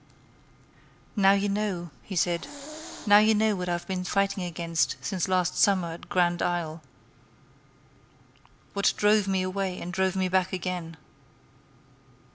"Now you know," he said, "now you know what I have been fighting against since last summer at Grand Isle; what drove me away and drove me back again."